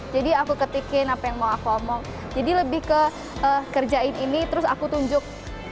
jadi aku ketikin apa yang mau aku omong jadi lebih ke kerjain ini terus aku tunjuk